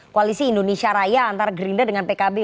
koalisi indonesia raya antara gerindra dengan pkb